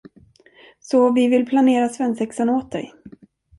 Så vi vill planera svensexan åt dig.